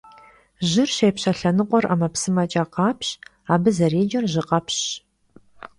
Jır şêpşe lhenıkhuer 'emepsımeç'e khapş, abı zerêcer jjıkhepşş.